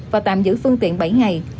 và tạm giữ phương tiện bảy ngày